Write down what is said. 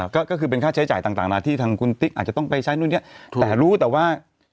ก็คือเป็นค่าใช้จ่ายต่างนะที่ทางคุณติ๊กอาจจะต้องไปใช้นู่นเนี่ยแต่รู้แต่ว่า